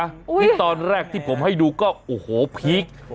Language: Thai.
นี่ตอนแรกที่ผมให้ดูก็โอ้โหพีค